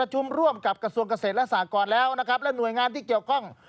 หน่วยงานเกี่ยวกั้ง